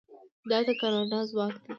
دا د کاناډا ځواک دی.